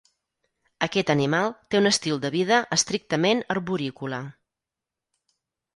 Aquest animal té un estil de vida estrictament arborícola.